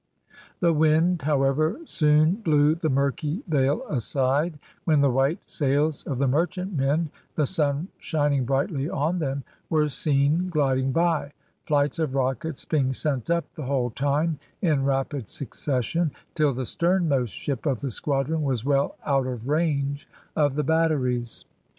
The wind, however, soon blew the murky veil aside, when the white sails of the merchantmen, the sun shining brightly on them, were seen gliding by, flights of rockets being sent up the whole time in rapid succession, till the sternmost ship of the squadron was well out of range of the batteries.